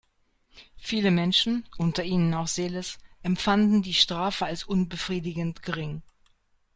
Viele Menschen, unter ihnen auch Seles, empfanden die Strafe als unbefriedigend gering.